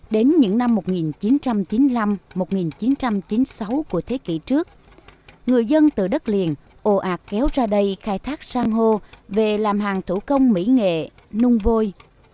đến những năm một nghìn chín trăm chín mươi năm một nghìn chín trăm chín mươi sáu của thế kỷ trước người dân từ đất liền ô ạt kéo ra đây khai thác sang hô về làm hàng thủ công mỹ nghệ nung vôi